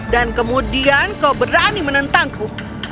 dan kemudian kau berani menentangku